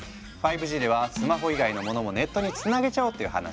５Ｇではスマホ以外のモノもネットにつなげちゃおうっていう話。